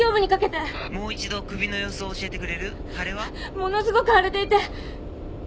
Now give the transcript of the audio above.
ものすごく腫れていて。